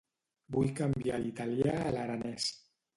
Vull canviar l'italià a l'aranès.